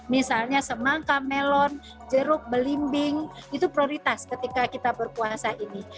misalnya semangka melon jeruk belimbing itu prioritas ketika kita berpuasa ini